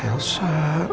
ya allah elsa